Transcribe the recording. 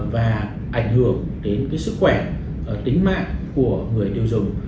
và ảnh hưởng đến sức khỏe tính mạng của người tiêu dùng